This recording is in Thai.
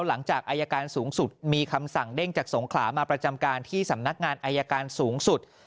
หลังจากอายการสูงสุดมีคำสั่งเด้งจากสงขลามาประจำการที่สำนักงานอายการสูงสุด